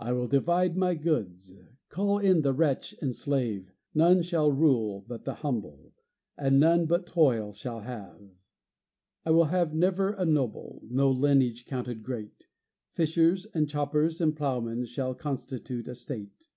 I will divide my goods; Call in the wretch and slave; None shall rule but the humble, And none but Toil shall have. I will have never a noble, No lineage counted great; Fishers and choppers and ploughmen Shall constitute a state.